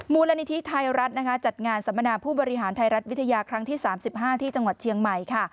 มูลนิธิไทยรัฐจัดงานสัมมนาผู้บริหารไทยรัฐวิทยาครั้งที่๓๕ที่จังหวัดเชียงใหม่